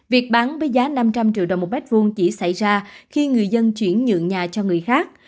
việc bán với giá năm trăm linh triệu đồng một mét vuông chỉ xảy ra khi người dân chuyển nhượng nhà cho người khác